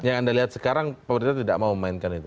yang anda lihat sekarang pemerintah tidak mau memainkan itu